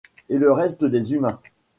Et le reste des humains.